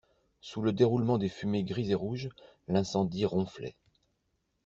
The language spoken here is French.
Sous le déroulement des fumées grises et rouges, l'incendie ronflait.